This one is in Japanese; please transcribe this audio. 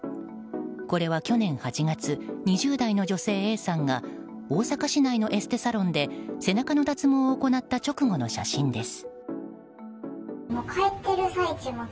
これは去年８月２０代の女性Ａさんが大阪市内のエステサロンで背中の脱毛を行った直後の写真です。